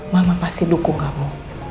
mama pasti dukung kamu